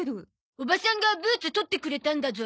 おばさんがブーツ取ってくれたんだゾ。